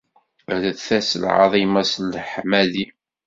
Rret-as lɛaḍima s leḥmadi!